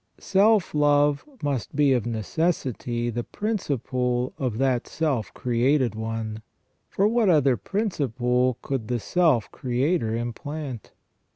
Self love must be of necessity the principle of that self created one, for what other principle could the self creator implant?